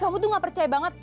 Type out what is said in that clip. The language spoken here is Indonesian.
kamu tuh gak percaya banget